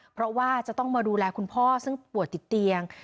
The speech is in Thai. เพราะว่าจะต้องมาดูแลคุณพ่อซึ่งป่วยติดเตียง